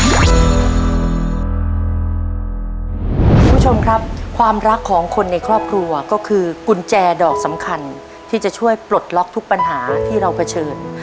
คุณผู้ชมครับความรักของคนในครอบครัวก็คือกุญแจดอกสำคัญที่จะช่วยปลดล็อกทุกปัญหาที่เราเผชิญ